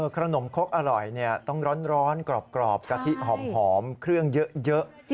ขนมคกอร่อยต้องร้อนกรอบกะทิหอมเครื่องเยอะ